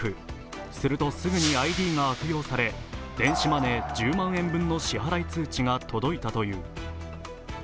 すると、すぐにＩＤが悪用され電子マネー１０万円分の支払い通知が届いたという。